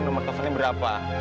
nomor teleponnya berapa